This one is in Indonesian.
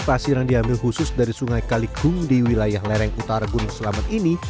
pasir yang diambil khusus dari sungai kalikung di wilayah lereng utara gunung selamet ini